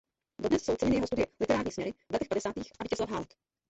Dodnes jsou ceněny jeho studie "Literární směry" v letech padesátých a Vítězslav Hálek.